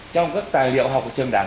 trong các tài liệu học trường đảng